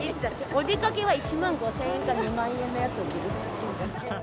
お出かけは、１万５０００円か、２万円のやつを着るって言ってんじゃん。